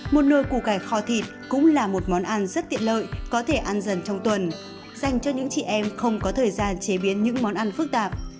một nồi củ cải kho thịt cũng là một món ăn rất tiện lợi có thể ăn dần trong tuần dành cho những chị em không có thời gian chế biến những món ăn phức tạp